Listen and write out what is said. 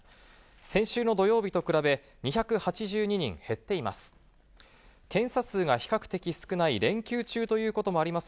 先週の土曜日と比べ、２８２人減っています。